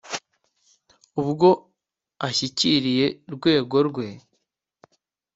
Ubwo ashyikiriye Rwego rwe